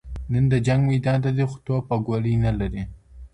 نن د جنګ میدان ته ځي خو توپ او ګولۍ نه لري